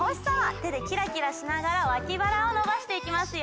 てでキラキラしながらわきばらをのばしていきますよ。